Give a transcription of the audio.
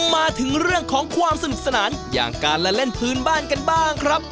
มาถึงเรื่องของความสนุกสนานอย่างการละเล่นพื้นบ้านกันบ้างครับ